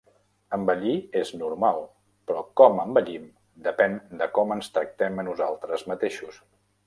Envellir és normal, però com envellim depèn de com ens tractem a nosaltres mateixos.